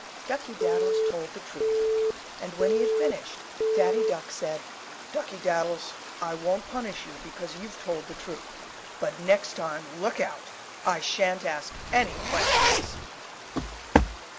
Duckey Daddles told the truth, and when he had finished, Daddy Duck said, "Duckey Daddles, I won't punish you because you've told the truth. But next time look out! I shan't ask any questions."